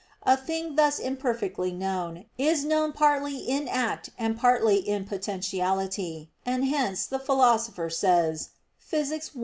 A thing thus imperfectly known, is known partly in act and partly in potentiality, and hence the Philosopher says (Phys.